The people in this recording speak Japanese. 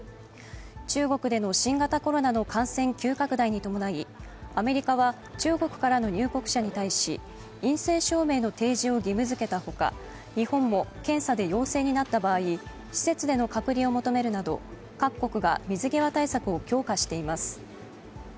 中国での新型コロナの感染急拡大に伴い、アメリカは中国からの入国者に対し陰性証明の提示を義務づけたほか、日本も検査で陽性になった場合施設での隔離を求めるなど各国が水際対策を強化しています。